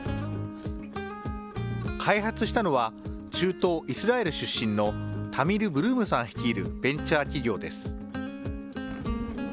開発したのは、中東イスラエル出身のタミル・ブルームさん率いるベンチャー企業です。